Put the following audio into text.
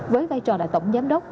với vai trò là tổng giám đốc